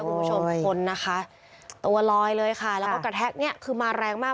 คุณผู้ชมคนนะคะตัวลอยเลยค่ะแล้วก็กระแทกเนี่ยคือมาแรงมาก